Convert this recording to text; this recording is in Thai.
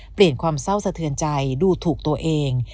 ความเศร้าสะเทือนใจดูถูกตัวเอง